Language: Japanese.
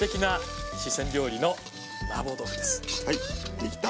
できた！